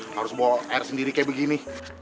nggak harus bawa air sendiri kayak begini